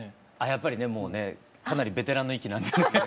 やっぱりねもうねかなりベテランの域なんでね。